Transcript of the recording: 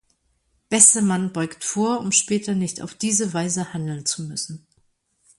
Besser, man beugt vor, um später nicht auf diese Weise handeln zu müssen.